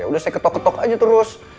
udah saya ketok ketok aja terus